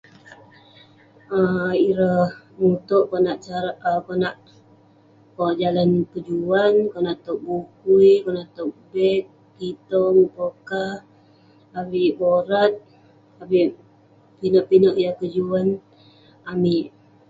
Em.. Ireh mutuek konak cara konak pojat ngan pejuan konak tok bukui konak tok beg, itang, pokah avik borat avik pinek-pinek yah kejuan amik